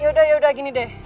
yaudah yaudah gini deh